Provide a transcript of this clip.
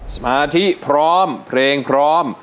สมาธิพร้อมเพลงพร้อม